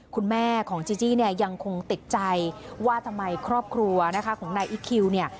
คุณแม่ของจีจี้เนี่ยยังคงติดใจว่าทำไมครอบครัวนะคะของนายอิ๊กคิวเนี่ย